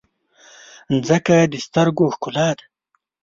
مځکه د سترګو ښکلا ده.